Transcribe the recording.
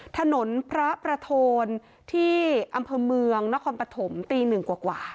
ถนนพระประโทนที่อำเภอเมืองนครปฐมตีหนึ่งกว่า